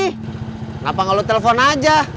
kenapa nggak lo telepon aja